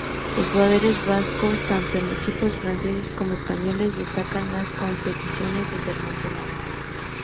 Los jugadores vascos, tanto en equipos franceses como españoles, destacan las competiciones internacionales.